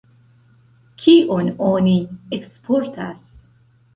Kion oni eksportas?